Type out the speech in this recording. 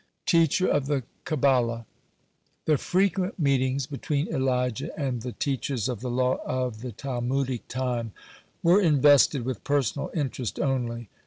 (97) TEACHER OF THE KABBALAH The frequent meetings between Elijah and the teachers of the law of the Talmudic time were invested with personal interest only.